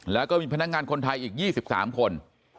แล้วก็มีพนักงานคนไทยอีก๒๓คน